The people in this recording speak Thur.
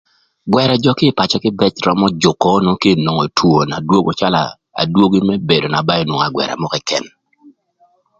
Gwërö jö kï ï pacö kïbëc römö jükö onu kï nwongo two na dwogo calö adwogi më bedo na ba inwongo agwëra mörö këkën.